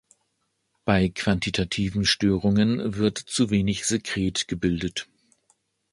Bei quantitativen Störungen wird zu wenig Sekret gebildet.